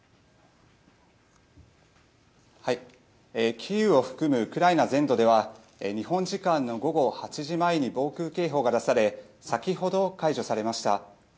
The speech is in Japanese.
キーウを含むウクライナ全土では日本時間の午後８時前に防空警報が出され先ほど解除されました。